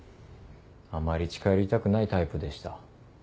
あまり近寄りたくないタイプでした。